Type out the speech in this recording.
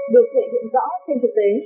được thể hiện rõ trên thực tế